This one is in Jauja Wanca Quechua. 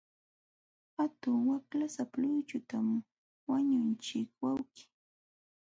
Hatun waqlasapa luychutam wañuqchin wawqii.